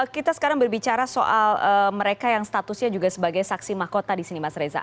kita sekarang berbicara soal mereka yang statusnya juga sebagai saksi mahkota di sini mas reza